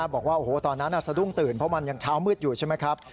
บอกว่าตอนนั้นสะดุ้งตื่นเพราะมันยังเช้ามืดอยู่ใช่ไหมครับ